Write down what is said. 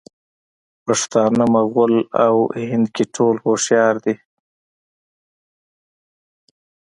پښتانه، مغل او هندکي ټول هوښیار دي.